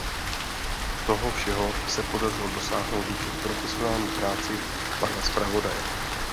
Toho všeho se podařilo dosáhnout díky profesionální práci pana zpravodaje.